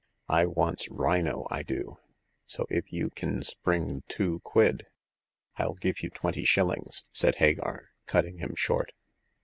I wants rhino, I do ; so if you kin spring two quid "I'll give you twenty shillings," said Hagar, cutting him short.